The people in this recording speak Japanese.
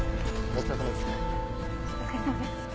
お疲れさまです。